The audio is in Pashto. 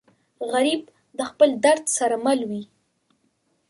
غریب د خپل درد سره مل وي